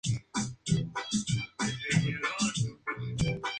Del mismo modo, la evidencia de la asimetría se consideró "abundante" y "generalizada".